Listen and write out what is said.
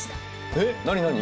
えっ何何？